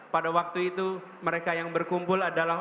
pada waktu itu mereka yang berkumpul adalah